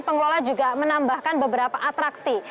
pengelola juga menambahkan beberapa atraksi